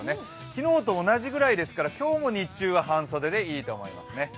昨日と同じぐらいですから、今日も日中は半袖でいいと思いますね。